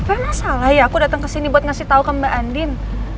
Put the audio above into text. emang salah ya aku dateng ke sini buat ngasih tau ke mbak andin